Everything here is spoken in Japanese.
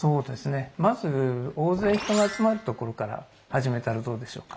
まず大勢人が集まる所から始めたらどうでしょうか。